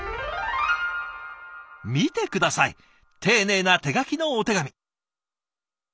見て下さい丁寧な手書きのお手紙。